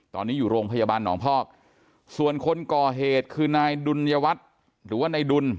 ตอนนี้อยู่โรงพยาบาลหนองพอกส่วนคนก่อเหตุคือนายดุลยวัตรหรือว่านายดุล